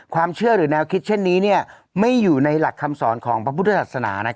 ความเชื่อหรือแนวคิดเช่นนี้ไม่อยู่ในหลักคำสอนของพระพุทธศาสนา